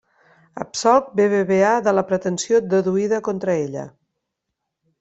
Absolc BBVA de la pretensió deduïda contra ella.